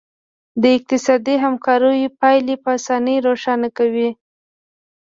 دا د اقتصادي همکاریو پایلې په اسانۍ روښانه کوي